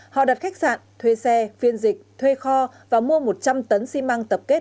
họ đặt khách sạn thuê xe phiên dịch thuê kho và mua một trăm linh tấn xi măng tập kết